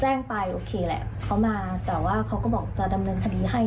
แจ้งไปโอเคแหละเขามาแต่ว่าเขาก็บอกจะดำเนินคดีให้